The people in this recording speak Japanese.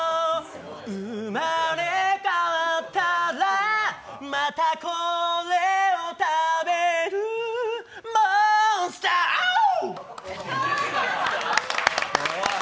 生まれ変わったら、またこれを食べる、モンスター、アオー！